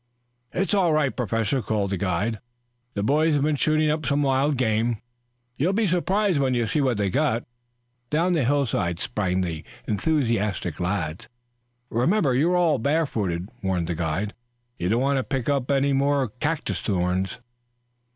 "It's all right, Professor," called the guide. "The boys have been shooting up some wild game. You'll be surprised when you see what they got." Down the hillside sprang the enthusiastic lads. "Remember, you're all barefooted," warned the guide. "You don't want to pick up any more cactus thorns."